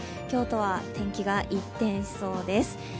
今日とは天気が一転しそうです。